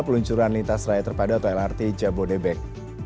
peluncuran lintas raya terpada atau lrt jabodebek